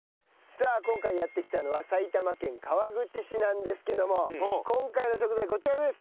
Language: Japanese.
さあ今回やって来たのは埼玉県川口市なんですけども今回の食材こちらです。